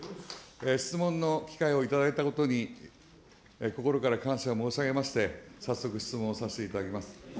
質問の機会を頂いたことに心から感謝を申し上げまして、早速質問させていただきます。